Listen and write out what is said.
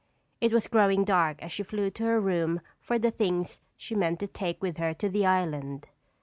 It was growing dark as she flew to her room for the things she meant to take with her to the island.